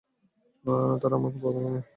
তারা আমার বাবাকে মেরে ফেলবে?